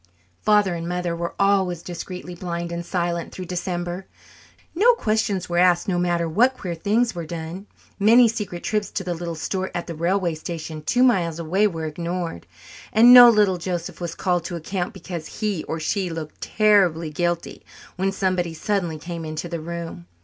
Father and Mother were always discreetly blind and silent through December. No questions were asked no matter what queer things were done. Many secret trips to the little store at the railway station two miles away were ignored, and no little Joseph was called to account because he or she looked terribly guilty when somebody suddenly came into the room.